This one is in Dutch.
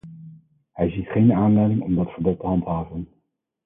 Hij ziet geen aanleiding om dat verbod te handhaven.